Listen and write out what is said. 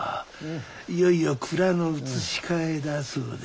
いよいよ蔵の移し替えだそうで。